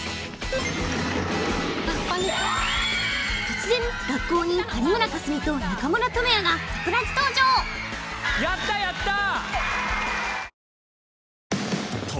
突然学校に有村架純と中村倫也がサプライズ登場やったやった！